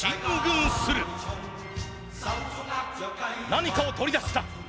何かを取り出した。